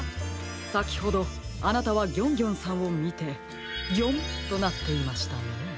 さきほどあなたはギョンギョンさんをみて「ギョン！」となっていましたね。